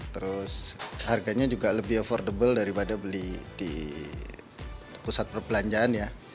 terus harganya juga lebih affordable daripada beli di pusat perbelanjaan ya